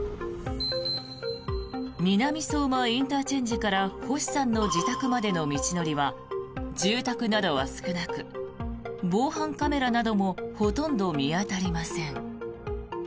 南相馬ＩＣから星さんの自宅までの道のりは住宅などは少なく防犯カメラなどもほとんど見当たりません。